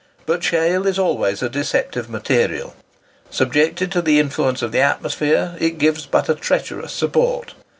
But shale is always a deceptive material. Subjected to the influence of the atmosphere, it gives but a treacherous support.